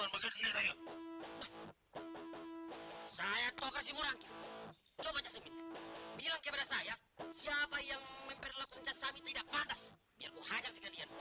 balyay belung saya siapa yang mengejarlah kucak saya tidak pantas biar tuh hashtagian